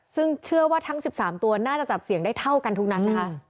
ซึ่งเชื่อว่าทั้ง๑๓ตัวน่าจะจับเสียงได้เท่ากันทุกนัดนะคะ